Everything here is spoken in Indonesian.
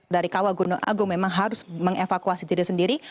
dari kawah gunung agung memang harus mengevakuasi diri sendiri